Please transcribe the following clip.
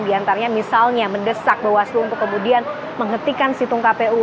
di antaranya misalnya mendesak bawaslu untuk kemudian menghentikan situng kpu